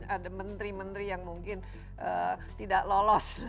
ada menteri menteri yang mungkin tidak lolos